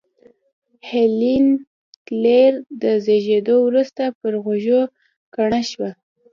هېلېن کېلر تر زېږېدو وروسته پر غوږو کڼه شوه